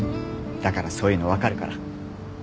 だからそういうの分かるから。